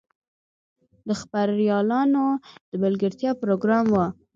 د خبریالانو د ملګرتیا پروګرام و.